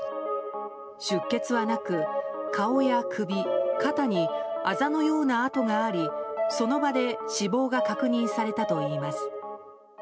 出血はなく、顔や首、肩にあざのような痕がありその場で死亡が確認されたといいます。